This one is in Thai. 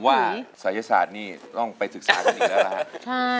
ศัยศาสตร์นี่ต้องไปศึกษากันอีกแล้วนะครับ